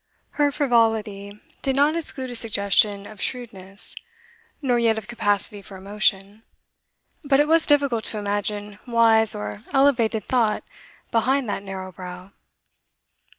Her frivolity did not exclude a suggestion of shrewdness, nor yet of capacity for emotion, but it was difficult to imagine wise or elevated thought behind that narrow brow.